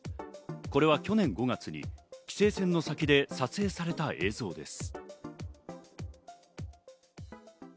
これは去年５月に規制線の先で撮影された映像です。